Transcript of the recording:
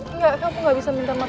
enggak kamu gak bisa minta makan